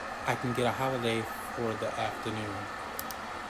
I can get a holiday for the afternoon.